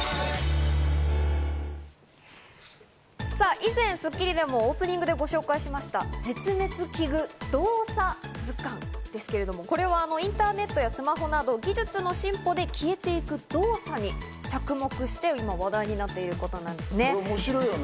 以前『スッキリ』でもオープニングでご紹介しました、『絶滅危惧動作図鑑』ですけれども、これはインターネットやスマホなど技術の進歩で消えていく動作に着目して今話題になっているものなんですね。